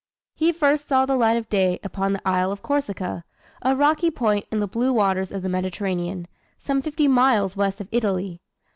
He first saw the light of day upon the isle of Corsica, a rocky point in the blue waters of the Mediterranean, some fifty miles west of Italy.